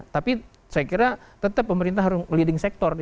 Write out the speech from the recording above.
tapi saya kira tetap pemerintah harus leading sector